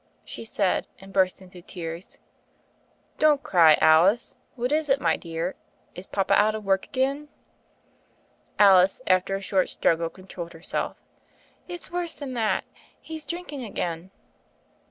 she said, and burst into tears. *'Don't cry, Alice. What is it, my dear? Is papa out of work again?" Alice, after a short struggle, controlled her self. *'It's worse than that : he's drinking again."